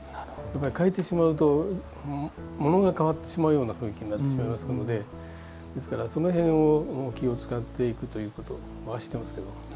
変えてしまうとものが変わってしまうような雰囲気になってしまいますのでですから、その辺を気を使っていくということはしていますけど。